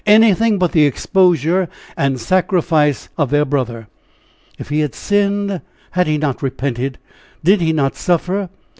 anything but the exposure and sacrifice of their brother! If he had sinned, had he not repented? Did he not suffer?